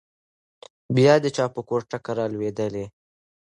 بيا د چا په کور ټکه رالوېدلې؟